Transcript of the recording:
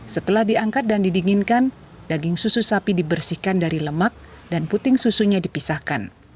setelah diangkat dan didinginkan daging susu sapi dibersihkan dari lemak dan puting susunya dipisahkan